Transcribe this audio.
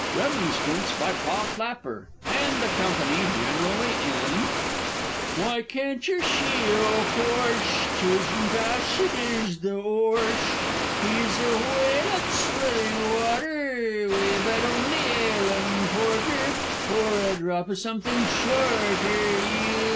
Remonstrance by Pa Plapper and the company generally in Chorus Why, can't yer shee? o' coursh Tishn't us it ish the 'orsh! He's a whale at swilling water, We've 'ad only ale and porter, Or a drop o' something shorter.